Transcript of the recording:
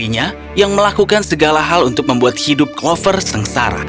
dia adalah seorang pembunuh yang melakukan segala hal untuk membuat hidup clover sengsara